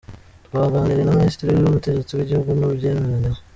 Twaganiriye na Minisiteri y’Ubutegetsi bw’Igihugu tubyemeranyaho.